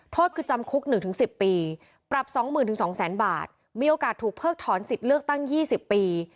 โทษคือจำคุก๑๑๐ปีปรับ๒๐๐๐๒๐๐๐บาทมีโอกาสถูกเพิกถอนสิทธิ์เลือกตั้ง๒๐ปี